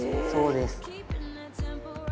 そうです。